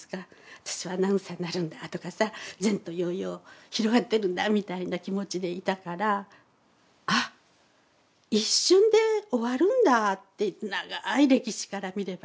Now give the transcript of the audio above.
私はアナウンサーになるんだとかさ前途洋々広がってるんだみたいな気持ちでいたからあ一瞬で終わるんだって長い歴史から見ればね。